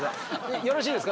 よろしいですか？